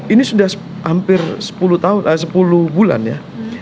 ini sudah hampir sepuluh tahun sepuluh bulan ya